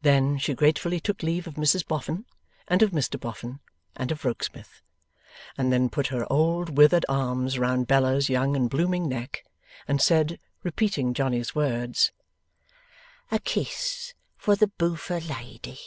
Then, she gratefully took leave of Mrs Boffin, and of Mr Boffin, and of Rokesmith, and then put her old withered arms round Bella's young and blooming neck, and said, repeating Johnny's words: 'A kiss for the boofer lady.